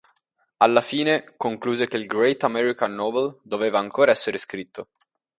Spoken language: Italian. Alla fine concluse che il Great American Novel doveva ancora essere scritto.